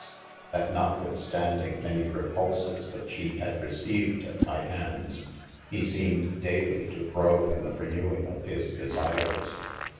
es, that not withstanding many repulses which he had received at my handes, he seemed daylye to grow in the renewing of his desires.